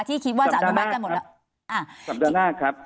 ที่คิดว่าจะสัปดาห์หน้าครับ